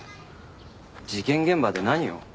事件現場で何を？